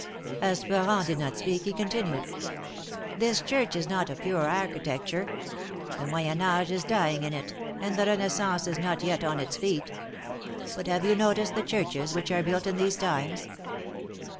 As Elorent did not speak, he continued : This church is not a pure architecture. The Moyen Age is dying in it, and the Renaissance is not yet on its feet. But have you noticed the Churches which are built in these times?